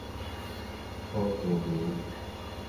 波士尼